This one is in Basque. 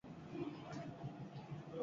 Gure jarrera erakusteko garaia da.